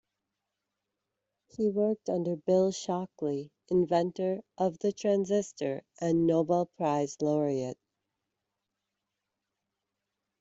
He worked under Bill Shockley, inventor of the transistor and Nobel Prize laureate.